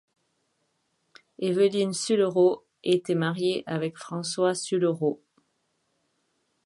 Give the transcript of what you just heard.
Évelyne Sullerot était mariée avec François Sullerot.